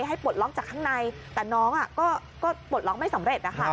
ให้ปลดล็อกจากข้างในแต่น้องก็ปลดล็อกไม่สำเร็จนะคะ